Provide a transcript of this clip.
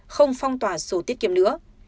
không phong tỏa sổ tiết kiệm nữa